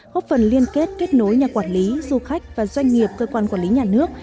góp phần liên kết kết nối nhà quản lý du khách và doanh nghiệp cơ quan quản lý nhà nước